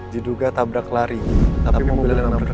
diduga tabrak lari tapi mobilnya tidak bertukar